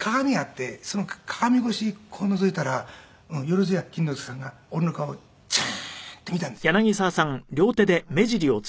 鏡があってその鏡越しにこうのぞいたら萬屋錦之介さんが俺の顔ツーンと見ているんですよ。